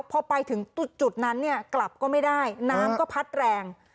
พอไปถึงจุดนั้นเนี่ยกลับก็ไม่ได้น้ำก็พัดแรง